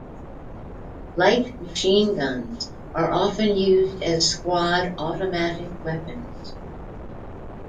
Light machine guns are often used as squad automatic weapons.